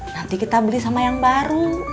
nanti kita beli sama yang baru